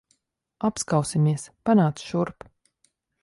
Apskausimies. Panāc šurp.